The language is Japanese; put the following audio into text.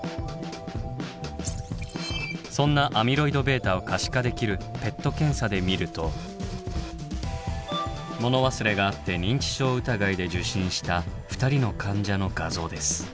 そんなアミロイドβを可視化できるＰＥＴ検査で見ると物忘れがあって認知症疑いで受診した２人の患者の画像です。